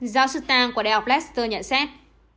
giáo sư tang của đại học leicester nhận xét